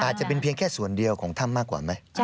อาจจะเป็นแค่ศูนย์เดียวของถ้ำกว่าไหม